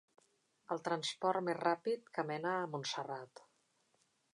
El transport més ràpid que mena a Montserrat.